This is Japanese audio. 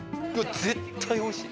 絶対おいしい！